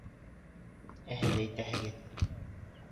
Ә һеҙ әйтәһегеҙ!